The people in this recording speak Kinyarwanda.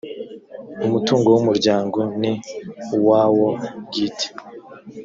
umutungo w umuryango ni uwawo bwite